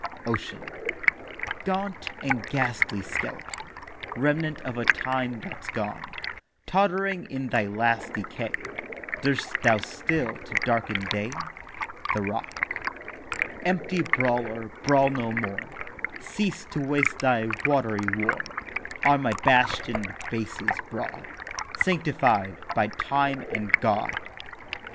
OCEAN: 'Gaunt and ghastly Skeleton, Remnant of a time that's gone, Tott'ring in thy last decay Durst thou still to darken day?' THE ROCK: 'Empty Brawler, brawl no more; Cease to waste thy watery war On my bastion'd Bases broad, Sanctified by Time and God.